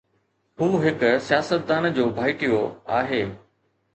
هو هڪ سياستدان جو ڀائٽيو آهي.